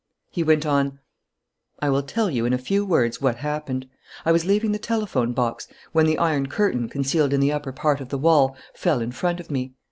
He went on: "I will tell you, in a few words, what happened. I was leaving the telephone box, when the iron curtain, concealed in the upper part of the wall, fell in front of me.